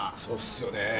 そうっすよね。